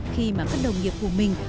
khi mà các đồng nghiệp của mình